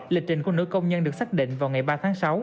lịch trình của nữ công nhân được xác định vào ngày ba tháng sáu